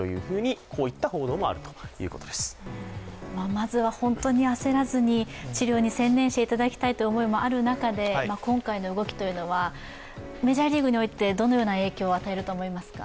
まずは本当に焦らずに治療に専念していただきたい思いもある中で今回の動きというのは、メジャーリーグにおいて、どのような影響を与えると思いますか？